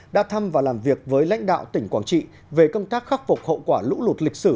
đã thăm và làm việc với lãnh đạo tỉnh quảng trị về công tác khắc phục hậu quả lũ lụt lịch sử